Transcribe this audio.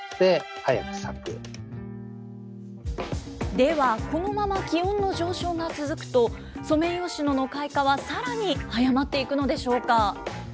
では、このまま気温の上昇が続くと、ソメイヨシノの開花はさらに早まっていくのでしょうか。